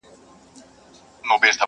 بوډا کیسې ورته کوي دوی ورته ناست دي غلي؛